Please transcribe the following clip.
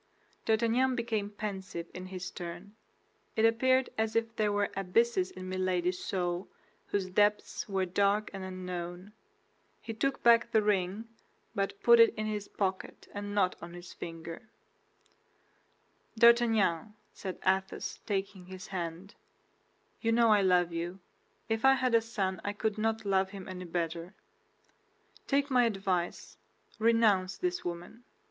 D'Artagnan became pensive in his turn; it appeared as if there were abysses in Milady's soul whose depths were dark and unknown. He took back the ring, but put it in his pocket and not on his finger. "D'Artagnan," said Athos, taking his hand, "you know I love you; if I had a son I could not love him better. Take my advice, renounce this woman.